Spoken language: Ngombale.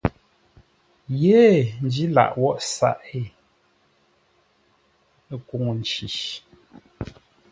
Yé ndǐ lâʼ wóghʼ saghʼ héee kúŋə́-nci.